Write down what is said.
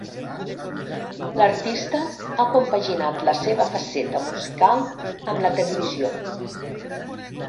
L'artista ha compaginat la seva faceta musical amb la televisió.